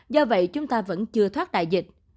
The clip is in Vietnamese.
do vậy chúng ta vẫn chưa thoát đại dịch